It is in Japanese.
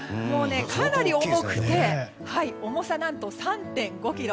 かなり重くて重さ、何と３．５ｋｇ。